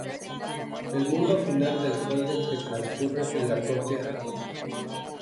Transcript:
El mundo final del juego, que trascurre en la propia Luna.